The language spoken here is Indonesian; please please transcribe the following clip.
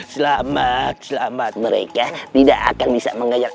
selamat selamat mereka tidak akan bisa mengajak